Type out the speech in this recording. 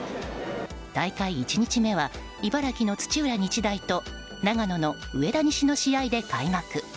大会１日目は茨城の土浦日大と長野の上田西の試合で開幕。